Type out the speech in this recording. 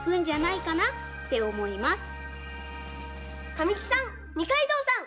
神木さん二階堂さん